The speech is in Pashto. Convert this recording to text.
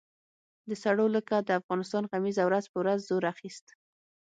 د سړو لکه د افغانستان غمیزه ورځ په ورځ زور اخیست.